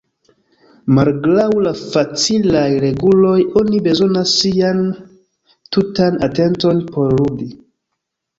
Malgraŭ la facilaj reguloj, oni bezonas sian tutan atenton por ludi.